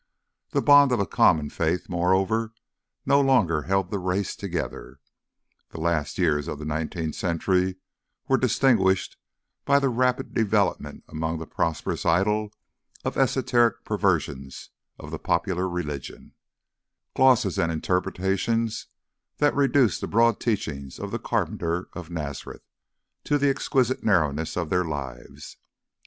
The bond of a common faith, moreover, no longer held the race together. The last years of the nineteenth century were distinguished by the rapid development among the prosperous idle of esoteric perversions of the popular religion: glosses and interpretations that reduced the broad teachings of the carpenter of Nazareth to the exquisite narrowness of their lives.